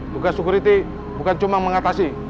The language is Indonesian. juga security bukan cuma mengatasi